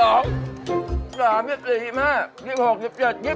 โอ้แถมให้กับพี่